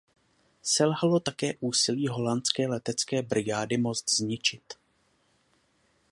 Selhalo také úsilí holandské letecké brigády most zničit.